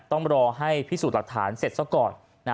ต้องรอให้พิสูจน์หลักฐานเสร็จซะก่อน